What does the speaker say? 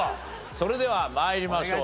それでは参りましょう。